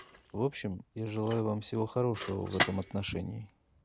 В общем я желаю вам всего хорошего в этом отношении.